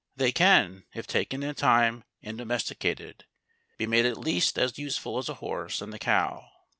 They can, if taken in time and domesticated, be made at least as useful as the horse and the cow.